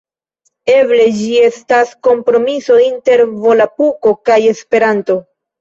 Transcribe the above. Eble ĝi estas kompromiso inter volapuko kaj Esperanto.